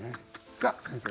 さあ先生